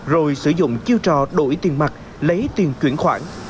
rồi sử dụng chiêu trò đổi tiền mặt lấy tiền chuyển khoản